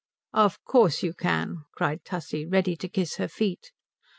"Of course you can," cried Tussie, ready to kiss her feet.